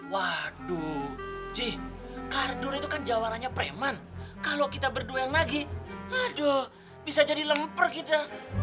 waduh ji kardun itu kan jawarannya preman kalo kita berdua yang nagi aduh bisa jadi lemper kita